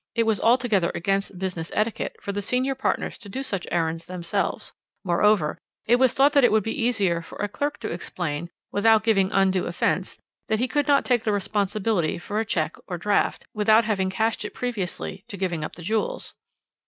It was altogether against business etiquette for the senior partners to do such errands themselves; moreover, it was thought that it would be easier for a clerk to explain, without giving undue offence, that he could not take the responsibility of a cheque or draft, without having cashed it previously to giving up the jewels.